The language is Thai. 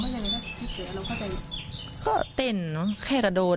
สวัสดีความว่าอะไรนะที่เกิดแล้วเข้าใจก็เต้นเนอะแค่กระโดด